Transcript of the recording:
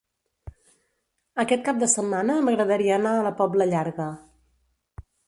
Aquest cap de setmana m'agradaria anar a la Pobla Llarga.